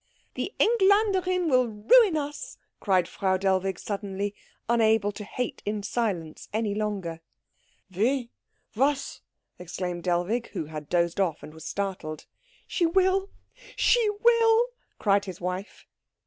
"The Engländerin will ruin us!" cried Frau Dellwig suddenly, unable to hate in silence any longer. "Wie? Was?" exclaimed Dellwig, who had dozed off, and was startled. "She will she will!" cried his wife.